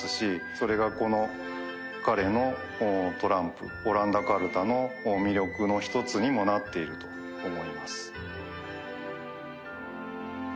それがこの彼のトランプオランダカルタの魅力の一つにもなっていると思います。